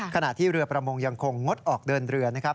ขณะที่เรือประมงยังคงงดออกเดินเรือนะครับ